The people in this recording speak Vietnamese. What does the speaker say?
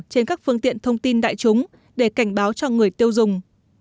trên các phương tiện thông tin đại chúng để cảnh báo cho người tiêu dùng